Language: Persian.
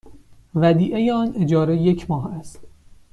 ودیعه آن اجاره یک ماه است.